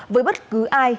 với bất cứ ai